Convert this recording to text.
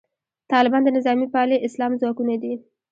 طالبان د نظامي پالي اسلام ځواکونه دي.